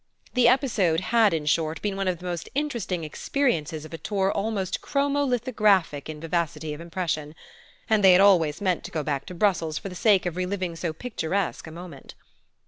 The episode had in short been one of the most interesting "experiences" of a tour almost chromo lithographic in vivacity of impression; and they had always meant to go back to Brussels for the sake of reliving so picturesque a moment.